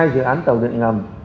hai dự án tàu điện ngầm